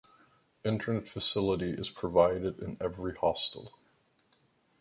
Internet facility is provided in every hostel.